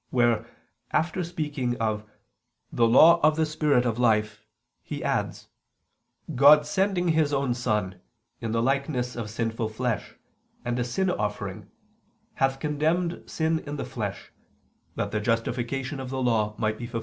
where, after speaking of "the Law of the Spirit of life," he adds: "God sending His own Son, in the likeness of sinful flesh, of sin* hath condemned sin in the flesh, that the justification of the Law might be fulfilled in us."